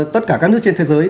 tất cả các nước trên thế giới